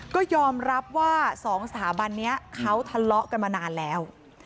ก็ยอมรับว่า๒สถาบันนี้เขาทะเลาะกันมานานแล้ว